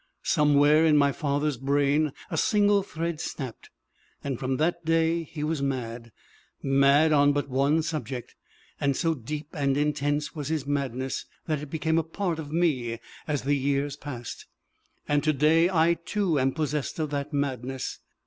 Somewhere in my father's brain a single thread snapped, and from that day he was mad mad on but one subject; and so deep and intense was his madness that it became a part of me as the years passed, and to day I, too, am possessed of that madness.